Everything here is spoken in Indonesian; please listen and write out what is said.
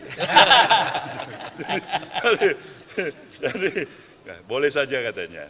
jadi boleh saja katanya